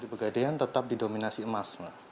pegadaian tetap didominasi emas